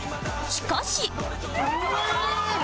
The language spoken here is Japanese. しかし